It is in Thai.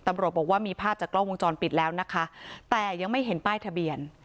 ตำรวจบอกว่ามีภาพจากกล้องวงจรปิดแล้วนะคะแต่ยังไม่เห็นป้ายทะเบียน